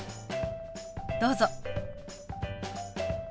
どうぞ。